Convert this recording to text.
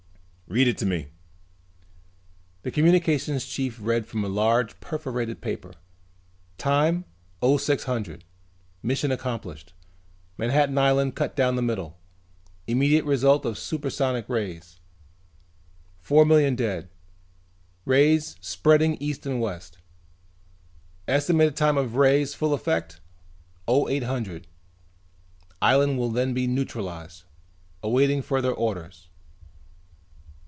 "Read it to me." The communications chief read from a large perforated paper. "Time 0600 mission accomplished. Manhattan island cut down the middle immediate result of super isonic rays; four million dead rays spreading east and west estimated time of rays' full effect; 0800 island will then be neutralized awaiting further orders."